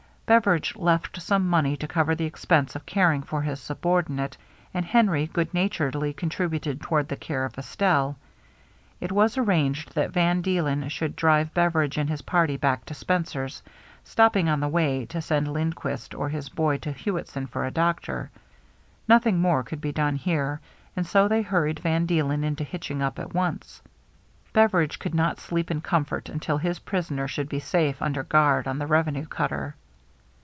Bever idge left some money to cover the expense of caring for his subordinate, and Henry good naturedly contributed toward the care of Estelle. It was arranged that Van Deelen should drive Beveridge and his party back to Spencer's, stopping on the way to send Lind quist or his boy to Hewittson for a doctor. Nothing more could be done here, and so they hurried Van Deelen into hitching up at once. Beveridge could not sleep in comfort until his prisoner should be safe under guard on the revenue cutter.